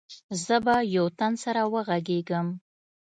زه به يو تن سره وغږېږم.